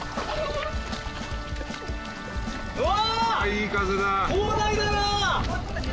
いい風だ。わ